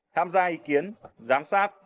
tham gia ý kiến giám sát